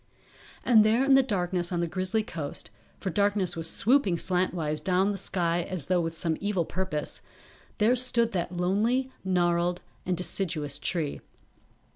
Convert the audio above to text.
And there in the darkness on the grizzly coast, for darkness was swooping slantwise down the sky as though with some evil purpose, there stood that lonely, gnarled and deciduous tree.